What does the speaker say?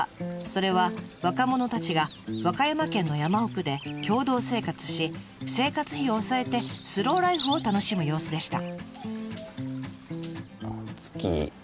それは若者たちが和歌山県の山奥で共同生活し生活費を抑えてスローライフを楽しむ様子でした。